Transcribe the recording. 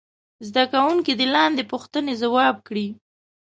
زده کوونکي دې لاندې پوښتنې ځواب کړي.